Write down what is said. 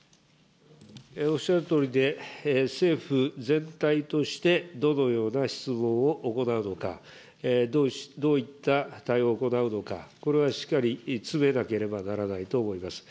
おっしゃるとおりで、政府全体としてどのような質問を行うのか、どういった対応を行うのか、これはしっかり詰めなければならないと思います。